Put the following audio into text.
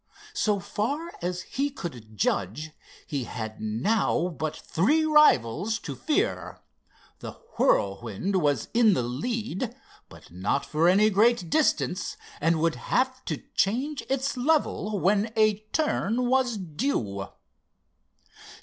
So far as he could judge, he had now but three rivals to fear. The Whirlwind was in the lead, but not for any great distance and would have to change its level when a turn was due.